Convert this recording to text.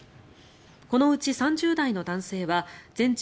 このうち３０代の男性は全治